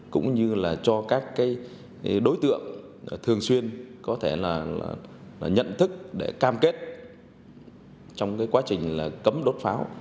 cũng như là cho các đối tượng thường xuyên có thể là nhận thức để cam kết trong quá trình cấm đốt pháo